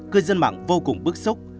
một tài khoản vô cùng bức xúc